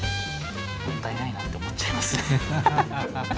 もったいないなって思っちゃいますね。